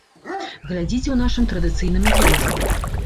Глядзіце ў нашым традыцыйным аглядзе.